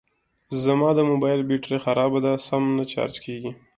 زما د موبایل بېټري خرابه ده سم نه چارج کېږي